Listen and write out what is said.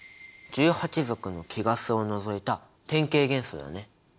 １８族の貴ガスを除いた典型元素だね。